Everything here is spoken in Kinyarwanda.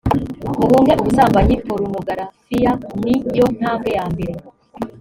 muhunge ubusambanyi porunogarafiya ni yo ntambwe yambere